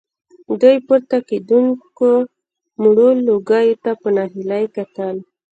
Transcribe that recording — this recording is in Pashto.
دوی پورته کېدونکو مړو لوګيو ته په ناهيلۍ کتل.